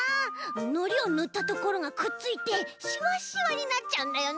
のりをぬったところがくっついてしわしわになっちゃうんだよね。